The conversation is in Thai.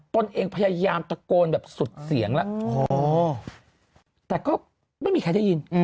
ตนเองพยายามตะโกนแบบสุดเสียงแล้วอ๋อแต่ก็ไม่มีใครได้ยิน